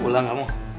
pulang gak mau